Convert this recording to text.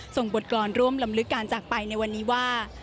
ส่งบทกรรมร่วมลำลึกการจากไปในวันนี้ว่า